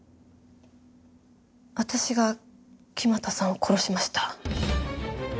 私が木俣さんを殺しました。